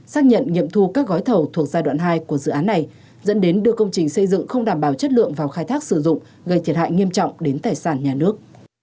xác nhận nghiệm thu các gói thầu thuộc giai đoạn hai của dự án này dẫn đến đưa công trình xây dựng không đảm bảo chất lượng vào khai thác sử dụng gây thiệt hại nghiêm trọng đến tài sản nhà nước